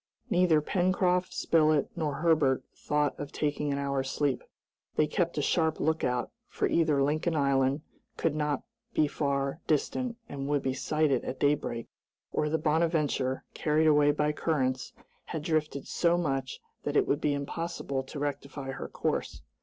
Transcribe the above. Neither Pencroft, Spilett, nor Herbert thought of taking an hour's sleep. They kept a sharp look out, for either Lincoln Island could not be far distant and would be sighted at daybreak, or the "Bonadventure," carried away by currents, had drifted so much that it would be impossible to rectify her course.